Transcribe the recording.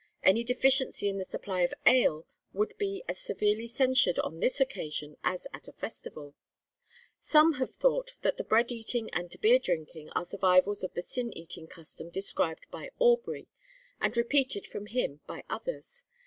Any deficiency in the supply of ale would be as severely censured on this occasion, as at a festival.' Some have thought that the bread eating and beer drinking are survivals of the sin eating custom described by Aubrey, and repeated from him by others.